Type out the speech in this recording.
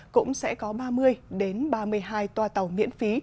cũng sẽ có ba mươi ba mươi hai toa tàu miễn phí